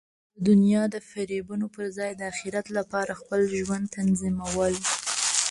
د دنیا د فریبونو پر ځای د اخرت لپاره خپل ژوند تنظیمول.